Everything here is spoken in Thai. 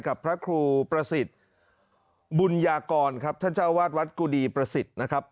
กับพระครูประสิทธิ์บุญญากรครับท่านเจ้าวาดวัดกุดีประสิทธิ์นะครับ